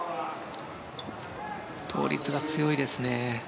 倒立が強いですね。